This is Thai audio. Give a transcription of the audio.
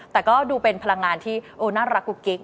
แต่ก็ดูเป็นพลังงานที่โอ้น่ารักกุ๊กกิ๊ก